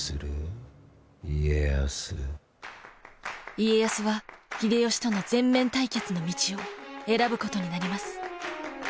家康は秀吉との全面対決の道を選ぶことになります。